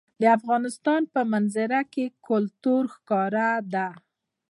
د افغانستان په منظره کې کلتور ښکاره ده.